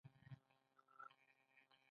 مځکه د باران کوربه ده.